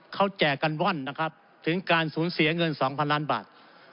เขาแจกกันว่อนนะครับถึงการสูญเสียเงิน๒๐๐ล้านบาท